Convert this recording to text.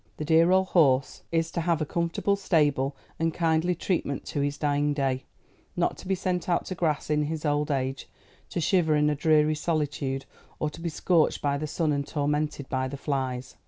The dear old horse is to have a comfortable stable and kindly treatment to his dying day not to be sent out to grass in his old age, to shiver in a dreary solitude, or to be scorched by the sun and tormented by the flies."